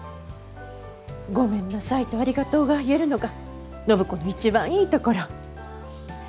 「ごめんなさい」と「ありがとう」が言えるのが暢子の一番いいところ。